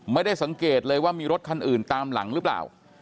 ไม่ได้สังเกตเลยว่ามีรถคันอื่นตามหลังหรือเปล่า